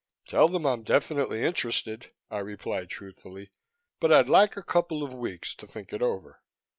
"Tell them I'm definitely interested," I replied truthfully, "but I'd like a couple of weeks to think it over."